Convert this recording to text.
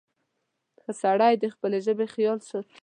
• ښه سړی د خپلې ژبې خیال ساتي.